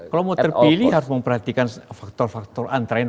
kalau mau terpilih harus memperhatikan faktor faktor antrean